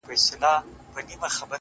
زه د هنرونو له کماله وځم;